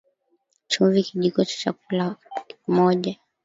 Chumvi Kijiko cha chakula moja